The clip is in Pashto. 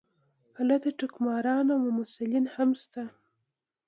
هلته ټګماران او ممثلان هم شته.